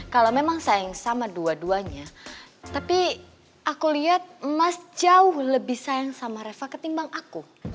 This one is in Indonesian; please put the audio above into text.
kalau memang sayang sama dua duanya tapi aku lihat emas jauh lebih sayang sama reva ketimbang aku